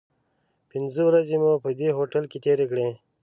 پنځه ورځې مو په دې هوټل کې تیرې کړې.